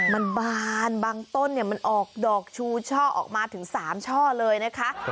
มันบานบางต้นมันออกดอกชูช่อออกมาถึง๓ช่อเลยนะคะ